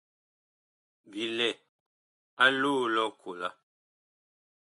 Bi lɛ a loo lʼ ɔkola.